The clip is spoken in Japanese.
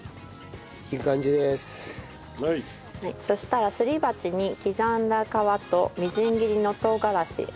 そうしたらすり鉢に刻んだ皮とみじん切りの唐辛子